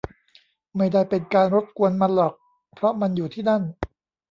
ไม่ได้เป็นการรบกวนมันหรอก เพราะมันอยู่ที่นั่น